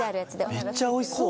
めっちゃおいしそう。